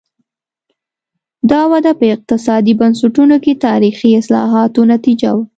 دا وده په اقتصادي بنسټونو کې تاریخي اصلاحاتو نتیجه وه.